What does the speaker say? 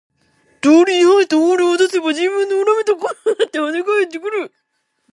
道理に反した法令を出せば人民の恨みの声となってはね返ってくる。